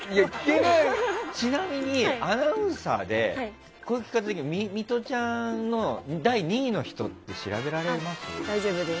ちなみにアナウンサーでミトちゃんの第２位の人って調べられます？